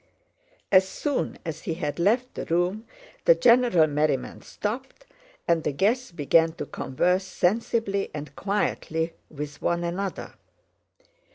As soon as he had left the room the general merriment stopped and the guests began to converse sensibly and quietly with one another.